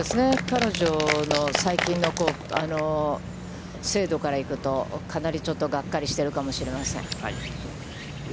彼女の最近の精度からいくと、かなり、ちょっと、がっかりしているかもしれません。